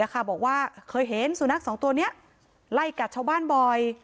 บอกว่าเคยเห็นสุนัขสองตัวนี้ไล่กัดชาวบ้านบ่อย